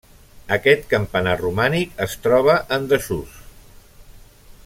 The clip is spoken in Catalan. Aquest campanar romànic es troba en desús.